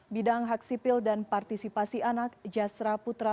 bidang hak sipil dan partisipasi anak jasra putra